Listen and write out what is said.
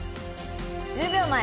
１０秒前。